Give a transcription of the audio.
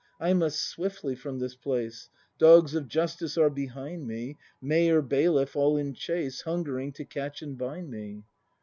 I must swiftly from this place. Dogs of justice are behind me. Mayor, bailiff, all in chase, Hungering to catch and bind me!